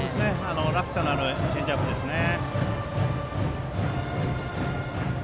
落差のあるチェンジアップですね。